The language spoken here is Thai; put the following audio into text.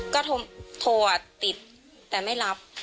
ก็โทรติดแต่ไม่รับ